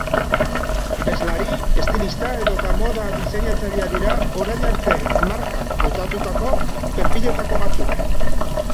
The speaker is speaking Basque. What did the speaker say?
Abeslari, estilista edota moda diseinatzailea dira orain arte markak hautatutako perfiletako batzuk.